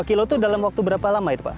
lima kilo itu dalam waktu berapa lama itu pak